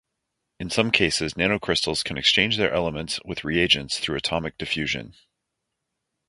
In some cases, nanocrystals can exchange their elements with reagents through atomic diffusion.